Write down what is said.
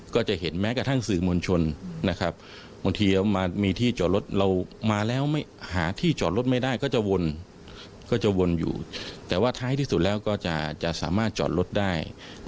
คือเหมือนทางตำรวจถูกท่านสอบที่เป็นประเด็นต่อว่าอะไรอย่างนี้